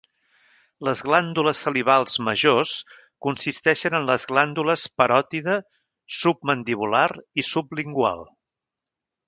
Les glàndules salivals majors consisteixen en les glàndules paròtide, submandibular i sublingual.